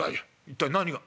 一体何が。